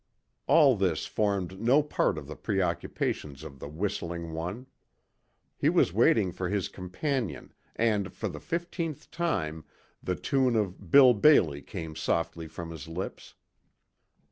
All this formed no part of the preoccupations of the whistling one. He was waiting for his companion and for the fifteenth time the tune of "Bill Bailey" came softly from his lips.